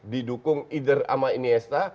didukung sama iniesta